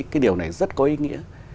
cái điều này rất có ý nghĩa